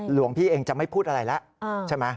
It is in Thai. หลวงพี่เองจะไม่พูดอะไรละ